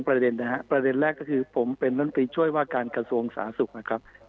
๒๓ประเด็นนะฮะประเด็นแรกก็คือผมเป็นรัฐมนตรีช่วยว่าการกระทรวงสาสุขนะครับ